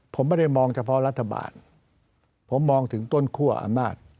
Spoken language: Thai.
ผมไม่ได้มองเฉพาะรัฐบาลผมมองถึงต้นคั่วอำนาจ